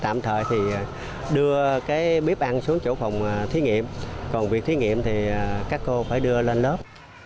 tạm thời thì đưa cái bếp ăn xuống chỗ phòng thí nghiệm còn việc thí nghiệm thì các cô phải đưa lên lớp